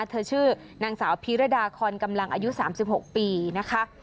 ชื่อนางสาวพีรดาคอนกำลังอายุ๓๖ปีนะคะ